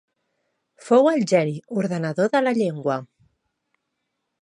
Fou el geni ordenador de la llengua.